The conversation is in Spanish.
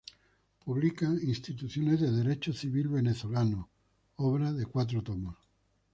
Publica "Instituciones de Derecho Civil Venezolano", obra de cuatro tomos.